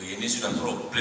ini sudah problem